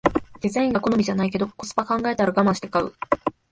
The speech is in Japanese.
デザインが好みじゃないけどコスパ考えたらガマンして買う